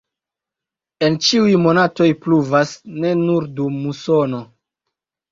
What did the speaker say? En ĉiuj monatoj pluvas, ne nur dum musono.